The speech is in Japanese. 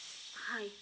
はい。